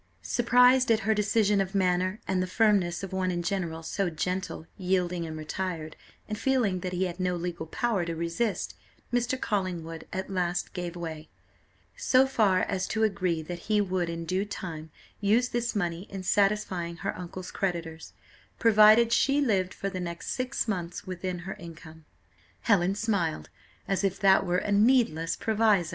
Surprised at her decision of manner and the firmness of one in general so gentle, yielding, and retired, and feeling that he had no legal power to resist, Mr. Collingwood at last gave way, so far as to agree that he would in due time use this money in satisfying her uncle's creditors; provided she lived for the next six months within her income. Helen smiled, as if that were a needless proviso.